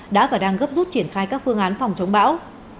đã và đang gấp rút triển khai các phương án phòng chống bão